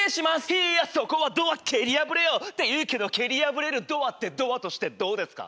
いやそこはドアけりやぶれよ！っていうけどけりやぶれるドアってドアとしてどうですか？